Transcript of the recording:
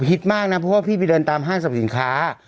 ฮิตมากนะเพราะว่าพี่ไปเดินตามห้านสปัญญาณสินค้า